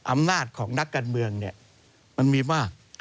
อำนาจของนักการเมืองมันมีมาก